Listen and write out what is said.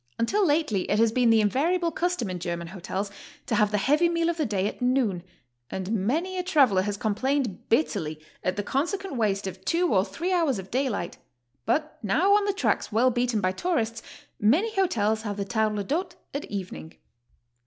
Until lately it has been the invariable custom in German hotels to have the heavy meal of the day at noon, and many a traveler has complained bitterly at the consequent waste of two or three hours of daylight, but now on the tracks well beaten by tourists, many hotels have the 136 GOING ABROAD? table d'hc>te at evening.